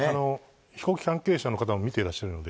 飛行機関係者の方も見ていらっしゃるので。